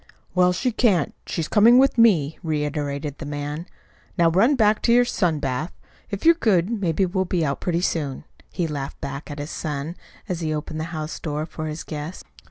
"Well, she can't. She's coming with me," reiterated the man. "Now run back to your sun bath. If you're good maybe we'll be out pretty soon," he laughed back at his son, as he opened the house door for his guest.